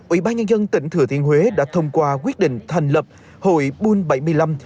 ủy ban nhân dân tỉnh thừa thiên huế đã thông qua quyết định thành lập hội bung bảy mươi năm